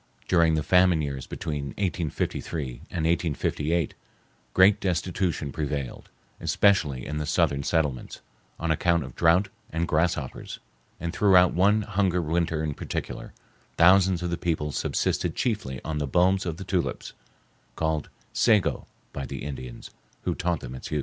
During the famine years between 1853 and 1858, great destitution prevailed, especially in the southern settlements, on account of drouth and grasshoppers, and throughout one hungry winter in particular, thousands of the people subsisted chiefly on the bulbs of the tulips, called "sego" by the Indians, who taught them its use.